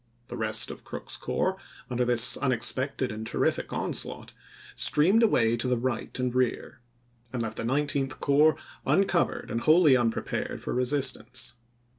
The rest of Crook's corps, under this unexpected and terrific onslaught, streamed away to the right and rear ; and left the Nineteenth Corps uncovered and wholly unprepared for resistance.